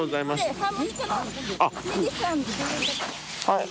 はい。）